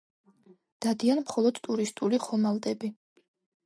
დადიან მხოლოდ ტურისტული ხომალდები.